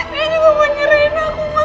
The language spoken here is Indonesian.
dia juga mau nyerahin aku mak